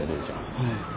はい。